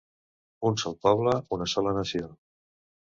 Un sol poble, una sola nació.